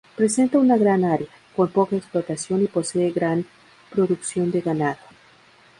Presenta una gran área, con poca explotación y posee gran producción de ganado.